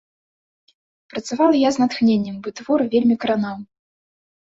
Працавала я з натхненнем, бо твор вельмі кранаў.